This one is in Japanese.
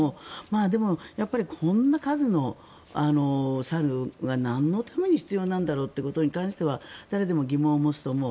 でも、こんな数の猿がなんのために必要なんだろうということに関しては誰でも疑問を持つと思う。